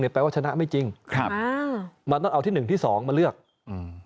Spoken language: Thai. แปลว่าชนะไม่จริงครับอ่ามันต้องเอาที่หนึ่งที่สองมาเลือกอืม